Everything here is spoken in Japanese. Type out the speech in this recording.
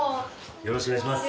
よろしくお願いします。